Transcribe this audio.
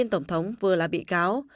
tổng thống vừa là bị cáo